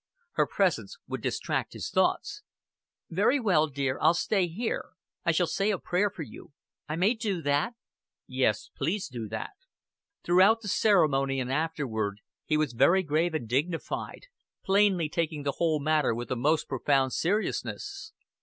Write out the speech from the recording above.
Her presence would distract his thoughts. "Very well, dear, I'll stay here. I shall say a prayer for you. I may do that?" "Yes, please do that." Throughout the ceremony, and afterward, he was very grave and dignified, plainly taking the whole matter with the most profound seriousness.